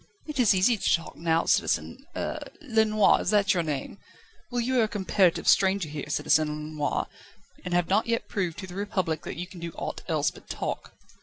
"It is easy to talk now, Citizen er Lenoir. Is that your name? Well, you are a comparative stranger here, Citizen Lenoir, and have not yet proved to the Republic that you can do ought else but talk."